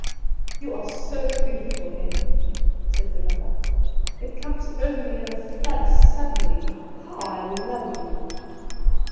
"You are so beautiful, Em," said the lover. "It comes over me in a flood suddenly how I love you."